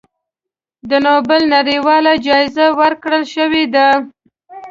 د نوبل نړیواله جایزه ورکړی شوې ده.